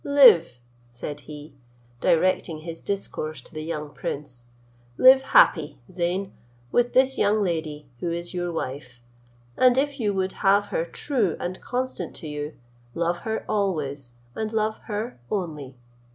"Live," said he (directing his discourse to the young prince), "live happy, Zeyn, with this young lady, who is your wife; and if you would have her true and constant to you, love her always, and love her only.